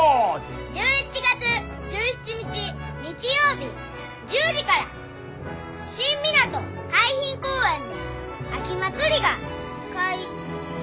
１１月１７日日曜日１０時から新港海浜公園で秋まつりがかいかい。